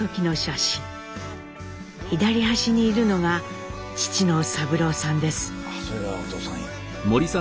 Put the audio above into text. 左端にいるのが父の三郎さんです。